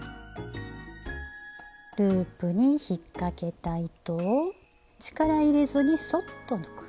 ループにひっかけた糸を力入れずにそっと抜く。